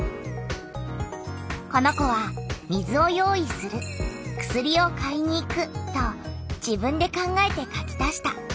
この子は「水を用意する」「薬を買いに行く」と自分で考えて書き足した。